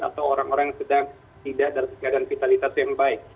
atau orang orang yang sedang tidak dalam keadaan vitalitas yang baik